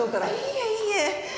いえいえ。